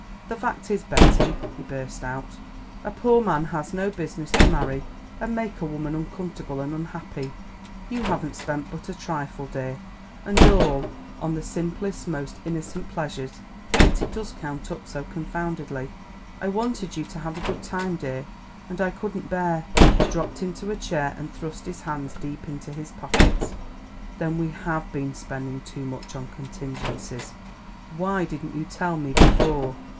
"The fact is, Betty," he burst out, "a poor man has no business to marry and make a woman uncomfortable and unhappy. You haven't spent but a trifle, dear, and all on the simplest, most innocent pleasures; yet it does count up so confoundedly. I wanted you to have a good time, dear, and I couldn't bear " He dropped into a chair and thrust his hands deep into his pockets. "Then we have been spending too much on contingencies; why didn't you tell me before?"